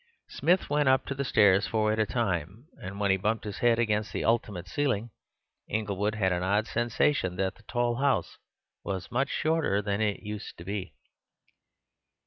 Smith went up the stairs four at a time, and when he bumped his head against the ultimate ceiling, Inglewood had an odd sensation that the tall house was much shorter than it used to be.